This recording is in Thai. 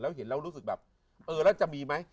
เห็นแล้วรู้สึกแบบเออแล้วจะมีไหม